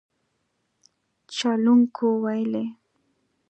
چلوونکو ویلي